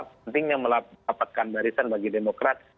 pentingnya mendapatkan barisan bagi demokrat